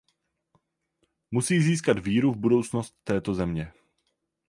Musí získat víru v budoucnost této země.